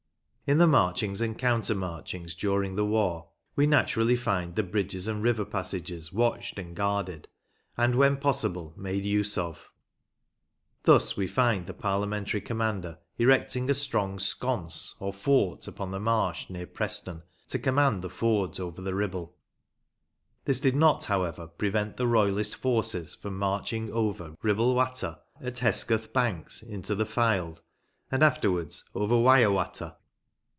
In the marchings and counter marchings during the war we naturally find the bridges and river passages watched and guarded, and, when possible, made use of. Thus we find the Parliamentary commander erecting a strong " sconce " or fort upon the marsh near Preston OLD TIME TRAVEL IN LANCASHIRE 61 to command the fords over the Ribble. This did not, however, prevent the Royalist forces from marching over " Ribble Watter " at Hesketh Banks into the Fylde, and afterwards over " Wyre Watter."